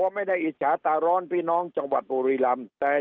ไม่ได้อิจฉาตาร้อนพี่น้องจังหวัดบุรีรำแต่